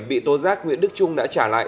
bị tố giác nguyễn đức trung đã trả lại